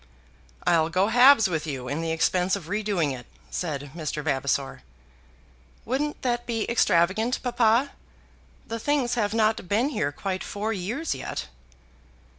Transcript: "I'll go halves with you in the expense of redoing it," said Mr. Vavasor. "Wouldn't that be extravagant, papa? The things have not been here quite four years yet."